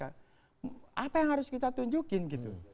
apa yang harus kita tunjukin gitu